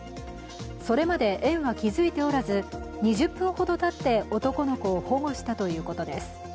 それまで園は気づいておらず２０分ほどたって男の子を保護したということです。